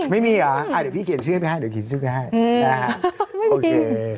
ไม่มีอ่ะเดี๋ยวพี่เขียนชื่อให้ได้ฮะไม่มี